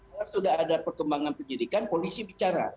kalau sudah ada perkembangan penyidikan polisi bicara